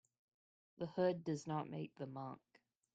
The hood does not make the monk.